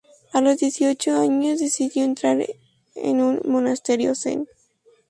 A los dieciocho años decidió entrar en un monasterio zen.